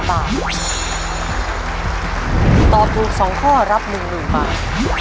ตอบถูก๒ข้อรับ๑๐๐๐บาท